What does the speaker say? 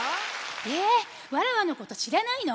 えわらわのことしらないの？